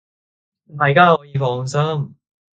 大家可以放心！